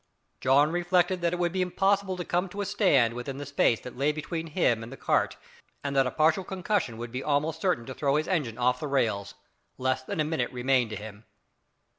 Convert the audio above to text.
John reflected that it would be impossible to come to a stand within the space that lay between him and the cart and that a partial concussion would be almost certain to throw his engine off the rails. Less than a minute remained to him.